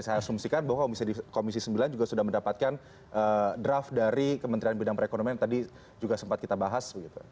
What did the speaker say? saya asumsikan bahwa komisi sembilan juga sudah mendapatkan draft dari kementerian bidang perekonomian yang tadi juga sempat kita bahas